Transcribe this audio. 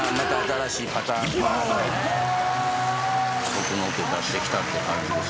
奥の手出してきたって感じです。